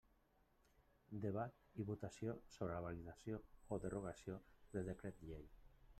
Debat i votació sobre la validació o derogació del decret llei.